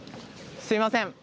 すみません。